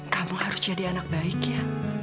kamu harus jadi anak baik ya